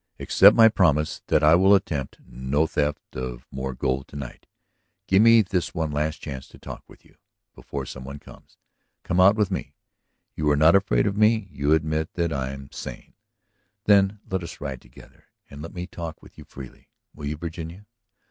"Accept my promise that I will attempt no theft of more gold to night; give me this one last chance to talk with you. Before some one comes, come out with me. You are not afraid of me; you admit that I am sane. Then let us ride together. And let me talk with you freely. Will you, Virginia?